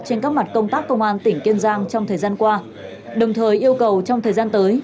trên các mặt công tác công an tỉnh kiên giang trong thời gian qua đồng thời yêu cầu trong thời gian tới